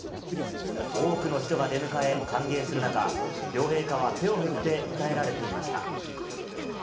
多くの人が出迎え、歓迎する中、両陛下は手を振って応えられていました。